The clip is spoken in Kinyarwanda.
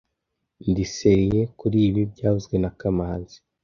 Ndi serieux kuri ibi byavuzwe na kamanzi